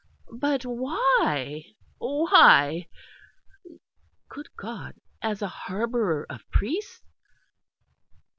But why, why? Good God, as a harbourer of priests?